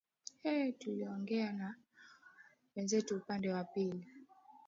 ee tuliongea na wenzetu upande wa pili